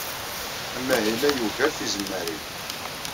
Amahil-a yugar tizemmar-inu.